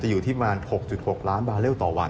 อยู่ที่ประมาณ๖๖ล้านบาเลลต่อวัน